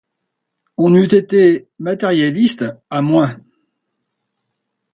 On eût été matérialiste à moins.